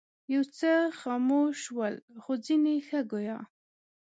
یو څه خموش ول خو ځینې ښه ګویا.